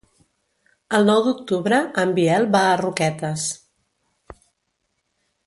El nou d'octubre en Biel va a Roquetes.